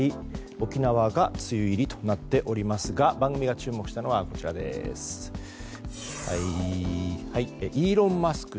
沖縄が梅雨入りとなっていますが番組が注目したのはイーロン・マスク